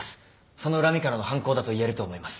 その恨みからの犯行だと言えると思います。